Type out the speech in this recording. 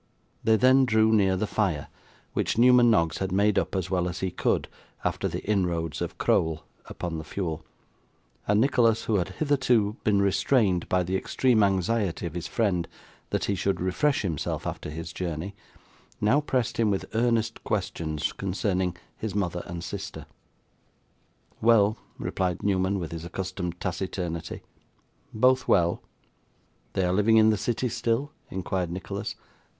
They then drew near the fire, which Newman Noggs had made up as well as he could, after the inroads of Crowl upon the fuel; and Nicholas, who had hitherto been restrained by the extreme anxiety of his friend that he should refresh himself after his journey, now pressed him with earnest questions concerning his mother and sister. 'Well,' replied Newman, with his accustomed taciturnity; 'both well.' 'They are living in the city still?' inquired Nicholas.